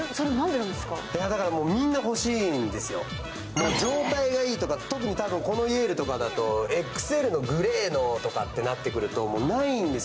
だからもう、みんな欲しいんですよ状態がいいとか、特にこのイェールだと、ＸＬのグレーのとかなってくるとないんです。